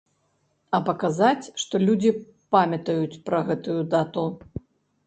А паказаць, што людзі памятаюць пра гэтую дату.